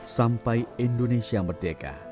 sampai indonesia merdeka